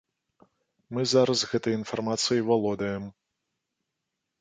Мы зараз гэтай інфармацыяй валодаем.